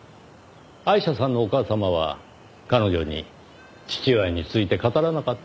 アイシャさんのお母様は彼女に父親について語らなかったといいます。